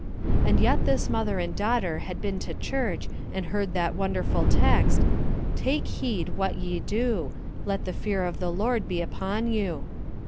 And yet this mother and daughter had been to church and heard that wonderful text, "Take heed what ye do; let the fear of the Lord be upon you."